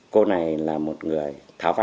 cô này là một người tháo phát